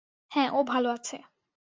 হ্যাঁ, ও ভালো আছে।